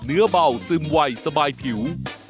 เนื้อเบาซึมวัยสบายผิว